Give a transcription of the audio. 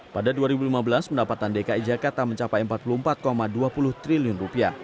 pada dua ribu lima belas pendapatan dki jakarta mencapai rp empat puluh empat dua puluh triliun